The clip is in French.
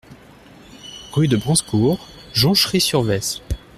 Rue de Branscourt, Jonchery-sur-Vesle